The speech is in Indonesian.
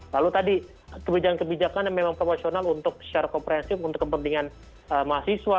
lalu tadi kebijakan kebijakan yang memang proporsional untuk secara komprehensif untuk kepentingan mahasiswa